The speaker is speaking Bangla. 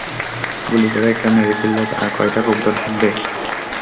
গুলি করে একটা মেরে ফেললে, আর কয়টা কবুতর থাকবে?